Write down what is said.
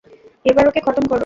এবার ওকে খতম করো।